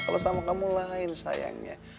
kalau sama kamu lain sayangnya